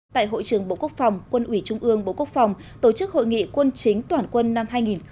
tại hội trưởng bộ quốc phòng quân ủy trung ương bộ quốc phòng tổ chức hội nghị quân chính toàn quân năm hai nghìn một mươi tám